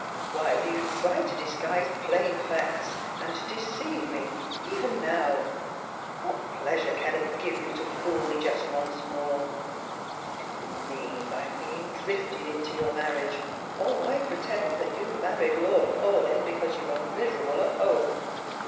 " "VVhy do you try to disguise plain facts, and to deceive me, even now ? What plea sure can it give you to fool me just once more ? What do you mean by being drifted into your marriage, or why pretend that you married Lord Paulyn because you were miserable at home